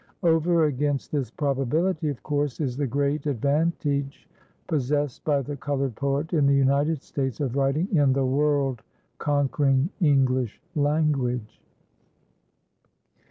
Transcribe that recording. Over against this probability, of course, is the great advantage possessed by the colored poet in the United States of writing in the world conquering English language.